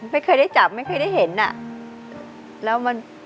ไม่เคยได้จับไม่เคยได้เห็นอ่ะแล้วมัน